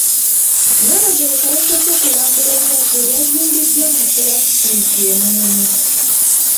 Nnaabagereka yasoose kulambula eryato eryazimbiddwa mu Pulaasitiiki e Munyonyo.